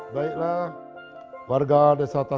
selamat di bawah